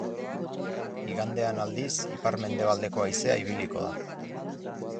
Igandean, aldiz, ipar-mendebaldeko haizea ibiliko da.